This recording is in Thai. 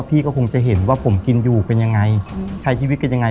พี่ก็คงจะเห็นว่าผมกินอยู่เป็นยังไงใช้ชีวิตกันยังไง